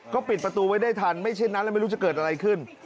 ก็ปิดประตูไว้ได้ทันไม่เช่นนั้นแล้วไม่รู้จะเกิดอะไรขึ้น